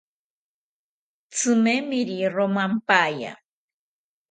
Tzimemeri romampaya